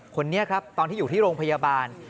คนนี้ครับตอนที่อยู่ที่โรงพยาบาล